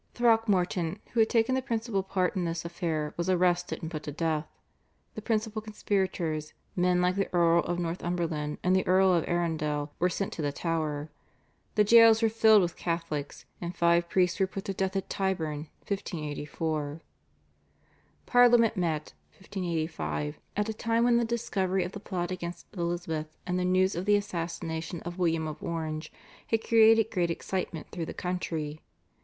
Throckmorton, who had taken the principal part in this affair, was arrested and put to death; the principal conspirators, men like the Earl of Northumberland and the Earl of Arundel were sent to the Tower; the jails were filled with Catholics, and five priests were put to death at Tyburn (1584). Parliament met (1585) at a time when the discovery of the plot against Elizabeth and the news of the assassination of William of Orange had created great excitement through the country.